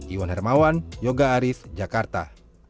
iwan hermawan yoga aris jakarta